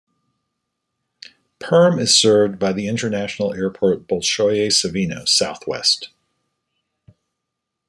Perm is served by the international airport Bolshoye Savino, southwest.